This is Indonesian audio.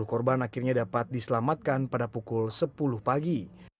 sepuluh korban akhirnya dapat diselamatkan pada pukul sepuluh pagi